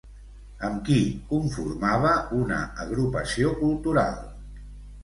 Amb qui conformava una agrupació cultural?